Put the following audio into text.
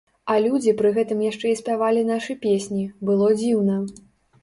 А людзі пры гэтым яшчэ і спявалі нашы песні, было дзіўна.